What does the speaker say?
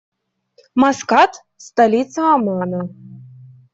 Маскат - столица Омана.